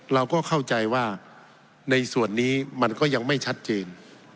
เราก็เข้าใจว่าในส่วนนี้มันก็ยังไม่ชัดเจน